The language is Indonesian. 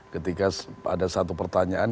ketika ada satu pertanyaan